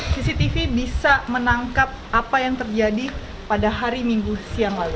cctv bisa menangkap apa yang terjadi pada hari minggu siang lalu